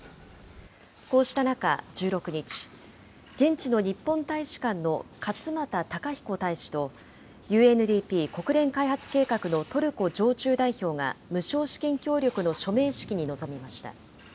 こうした中、１６日、現地の日本大使館の勝亦孝彦大使と、ＵＮＤＰ・国連開発計画のトルコ常駐代表が、無償資金協力の署名式に臨みました。